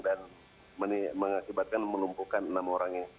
dan mengakibatkan menumpukan enam orangnya